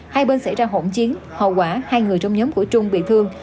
hai bên xảy ra hỗn chiến hậu quả hai người trong nhóm của trung bị thương